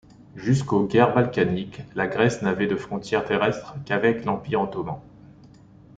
Jusqu'aux guerres balkaniques, la Grèce n'avait de frontière terrestre qu'avec l'Empire ottoman.